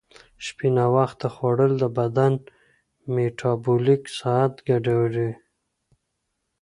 شپې ناوخته خوړل د بدن میټابولیک ساعت ګډوډوي.